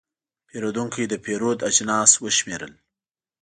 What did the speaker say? پیرودونکی د پیرود اجناس شمېرل.